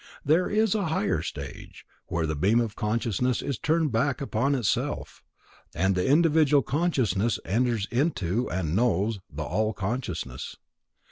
There is a higher stage, where the beam of consciousness is turned back upon itself, and the individual consciousness enters into, and knows, the All consciousness.